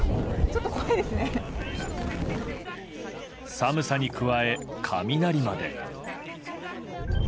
寒さに加え、雷まで。